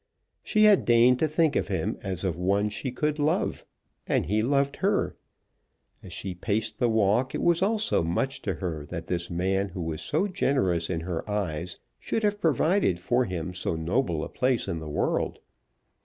She had deigned to think of him as of one she could love; and he loved her. As she paced the walk it was also much to her that this man who was so generous in her eyes should have provided for him so noble a place in the world.